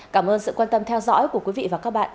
cảm ơn sự quan tâm theo dõi của quý vị và các bạn